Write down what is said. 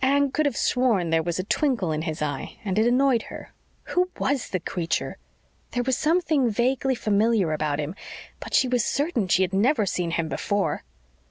Anne could have sworn there was a twinkle in his eye and it annoyed her. Who was the creature? There was something vaguely familiar about him but she was certain she had never seen him before.